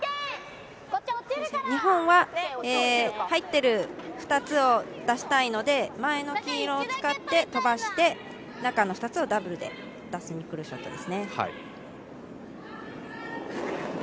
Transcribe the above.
日本は入ってる２つを出したいので前の黄色を使って飛ばして、中の２つをダブルで出すショットですね。